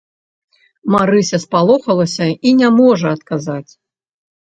Марыся спалохалася і не можа адказаць.